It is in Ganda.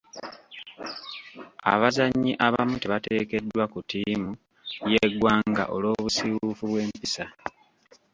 Abazannyi abamu tebaateekeddwa ku ttiimu y'eggwanga olw'obusiiwuufu bw'empisa.